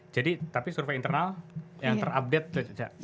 jadi tapi survei internal yang terupdate